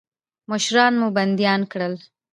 مشران مو بندیان کړل.